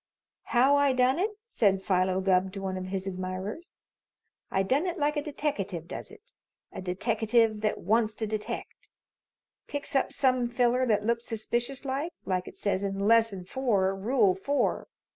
"How I done it?" said Philo Gubb to one of his admirers. "I done it like a deteckative does it a deteckative that wants to detect picks up some feller that looks suspicious like, like it says in Lesson Four, Rule Four.